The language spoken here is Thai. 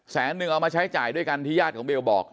แสนนึงเอามาใช้จ่ายด้วยกันที่ญาติของเบลบอก